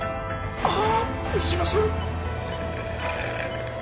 ああすいません。